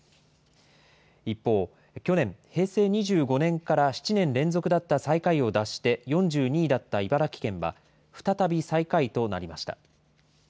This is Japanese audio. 一方、去年、平成２５年から７年連続だった最下位を脱して４２位だった茨城県は、再び最下位となりました。